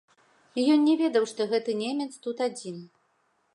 Ён не ведаў, што гэты немец тут адзін.